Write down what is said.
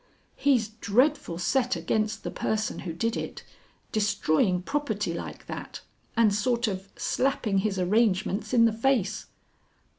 "He's dreadful set against the person who did it destroying property like that and sort of slapping his arrangements in the face."